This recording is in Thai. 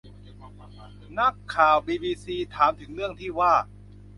นักข่าวบีบีซีถามถึงเรื่องที่ว่า